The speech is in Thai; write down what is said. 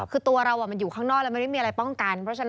คือตัวเราอยู่ข้างนอกแล้วมันไม่มีอะไรป้องกัน